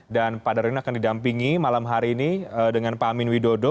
dan pak daryono akan didampingi malam hari ini dengan pak amin widodo